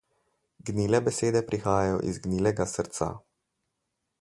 Gnile besede prihajajo iz gnilega srca.